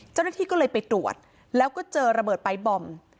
เจ้าหน้าที่ก็เลยไปตรวจแล้วก็เจอระเบิดไปบอม